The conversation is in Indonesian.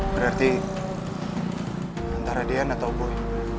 berarti antara dian atau boy